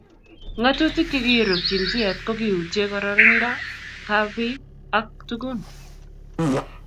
ngatutik che kiirub jinsiait ko kiyutie kororonindo kab biik ak tugun